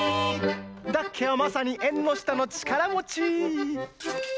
ダッケはまさに「えんのしたのちからもち」！